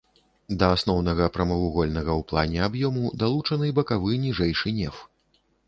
Да асноўнага прамавугольнага ў плане аб'ёму далучаны бакавы ніжэйшы неф.